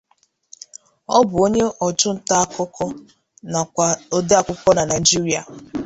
Ọ bụ onye ọchụ nta akụkọ nakwa odee akwụkwọ na Nigeria.